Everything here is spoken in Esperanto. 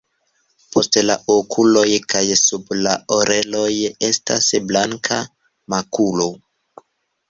Post la okuloj kaj sub la oreloj estas blanka makulo.